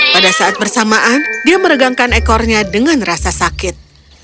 pada saat bersamaan dia meregangkan ekornya dengan rasa sakit